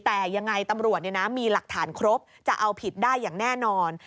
แต่ยังไงตำรวจมีหลักฐานครบจะเอาผิดได้อย่างแน่นอน